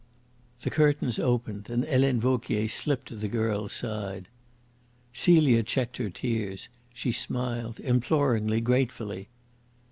The curtains opened, and Helene Vauquier slipped to the girl's side. Celia checked her tears. She smiled imploringly, gratefully.